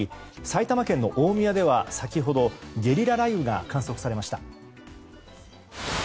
埼玉県の大宮では先ほど、ゲリラ雷雨が観測されました。